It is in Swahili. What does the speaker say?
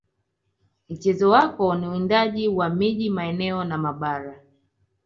Mchezo wako ni uwindaji wa miji maeneo na mabara